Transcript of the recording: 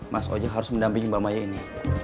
mas ojek harus mendampingi mbak maya ini